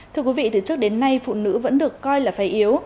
thưa quý vị từ trước đến nay phụ nữ vẫn được coi là phải yếu